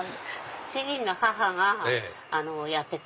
主人の母がやってて。